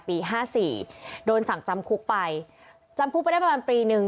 ห้าสี่โดนสั่งจำคุกไปจำคุกไปได้ประมาณปีหนึ่ง